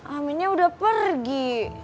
aminnya udah pergi